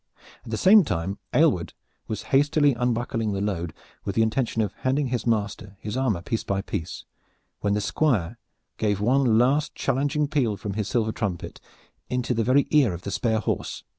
At the same time Aylward was hastily unbuckling the load with the intention of handing his master his armor piece by piece, when the Squire gave one last challenging peal from his silver trumpet into the very ear of the spare horse.